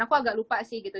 aku agak lupa sih gitu